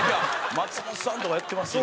松本さんとかやってますよ。